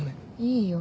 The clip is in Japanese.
いいよ。